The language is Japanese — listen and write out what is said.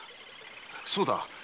そうだ。